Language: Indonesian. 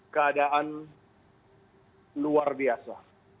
keadaan luar biasa